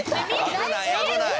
危ない危ない！